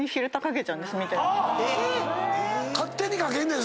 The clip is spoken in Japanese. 勝手に掛けんねん。